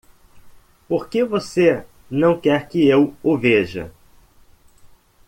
Por que você não quer que eu o veja?